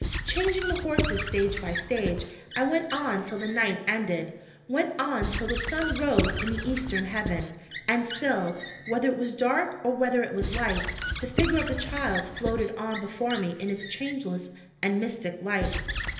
Changing the horses stage by stage, I went on till the night ended went on till the sun rose in the eastern heaven. And still, whether it was dark or whether it was light, the figure of the child floated on before me in its changeless and mystic light.